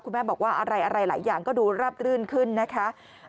แม่บอกว่าอะไรหลายอย่างก็ดูราบรื่นขึ้นนะคะ